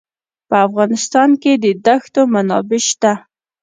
په افغانستان کې د دښتو منابع شته.